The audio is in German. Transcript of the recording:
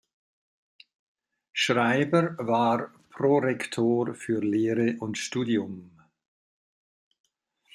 Schreiber war Prorektor für Lehre und Studium.